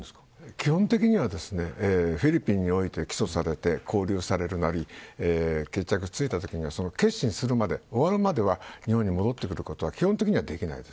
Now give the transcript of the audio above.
基本的にはフィリピンにおいて起訴されて勾留されるなり決着がついたときには結審するまで、終わるまでは日本に戻ってくることは基本的にはできません。